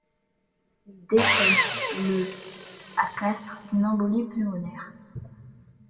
Il décède le à Castres d'une embolie pulmonaire.